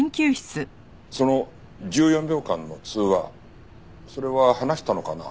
その１４秒間の通話それは話したのかな？